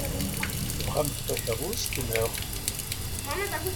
Tebɣamt takeṛṛust, naɣ?